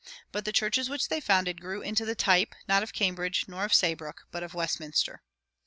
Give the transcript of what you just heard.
[137:1] But the churches which they founded grew into the type, not of Cambridge nor of Saybrook, but of Westminster.